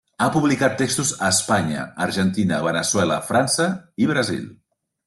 Ha publicat textos a Espanya, Argentina, Veneçuela, França i Brasil.